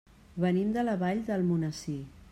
Venim de la Vall d'Almonesir.